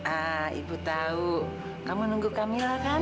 ah ibu tahu kamu nunggu kamila kan